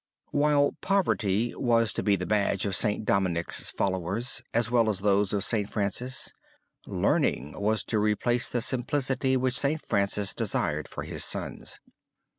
While poverty was to be the badge of St. Dominic's followers as well as those of St. Francis, learning was to replace the simplicity which St. Francis desired for his sons.